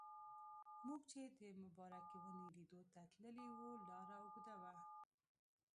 موږ چې د مبارکې ونې لیدلو ته تللي وو لاره اوږده وه.